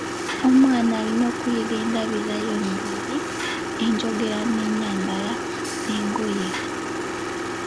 Omwana alina okuyiga endabirira y’emubiri, enjogera n'ennyambala y'engoye.